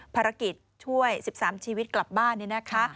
ภารกิจช่วย๑๓ชีวิตกลับบ้านนี่นะคะ